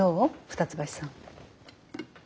二ツ橋さん。